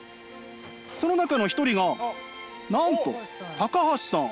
その中の一人がなんと橋さん。